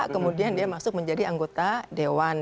kemudian dia masuk menjadi anggota dewan